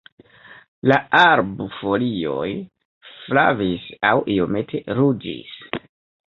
La arbfolioj flavis aŭ iomete ruĝis.